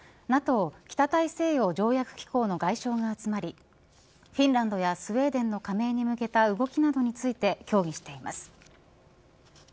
ＮＡＴＯ北大西洋条約機構の外相が集まりフィンランドやスウェーデンの加盟に向けた動きなどについて協議しています。